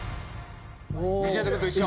西畑くんと一緒。